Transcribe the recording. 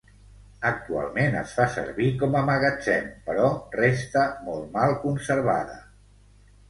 Actualment es fa servir com a magatzem però resta molt mal conservada.